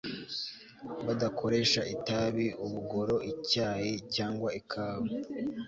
badakoresha itabi ubugoro icyayi cyangwa ikawa